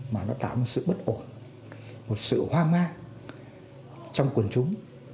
mà nó tạo ra một sự bất ổn một sự hoa ma trong quần chúng